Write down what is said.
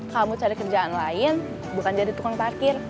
kamu cari kerjaan lain bukan jadi tukang parkir